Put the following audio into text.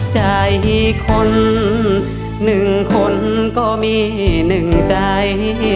ใจคนหนึ่งคนก็มีหนึ่งใจ